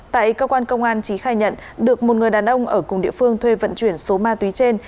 tại cơ quan công an trí khai nhận được một người đàn ông ở cùng địa phương thuê vận chuyển số ma túy trên